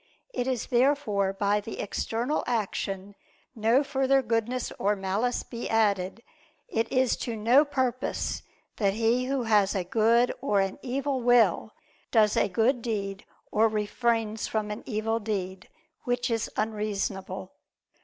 If therefore by the external action no further goodness or malice be added, it is to no purpose that he who has a good or an evil will, does a good deed or refrains from an evil deed. Which is unreasonable.